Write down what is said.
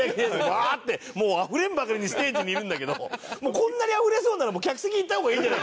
ワーッてもうあふれんばかりにステージにいるんだけどこんなにあふれそうならもう客席に行った方がいいんじゃ。